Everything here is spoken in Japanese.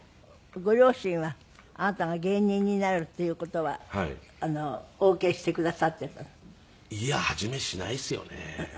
ご両親はあなたが芸人になるっていう事はオーケーしてくださっていたの？いや初めしないですよね。